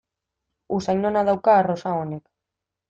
Usain ona dauka arrosa honek.